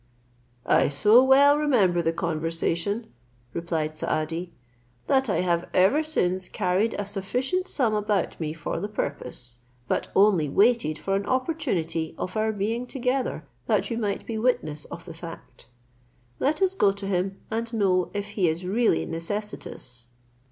"I so well remember the conversation," replied Saadi, "that I have ever since carried a sufficient sum about me for the purpose, but only waited for an opportunity of our being together, that you might be witness of the fact. Let us go to him, and know if he is really necessitous."